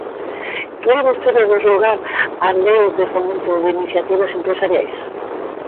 ¿Quere vostede derrogar a Lei de fomento de iniciativas empresariais?